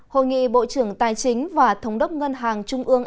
hội nghị bộ trưởng tài chính và thống đốc ngân hàng trung ương